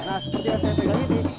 nah sepertinya saya pegang ini